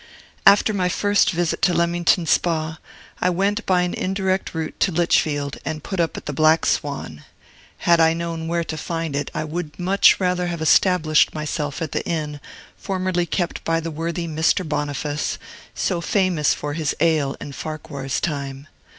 After my first visit to Leamington Spa, I went by an indirect route to Lichfield, and put up at the Black Swan. Had I known where to find it, I would much rather have established myself at the inn formerly kept by the worthy Mr. Boniface, so famous for his ale in Farquhar's time.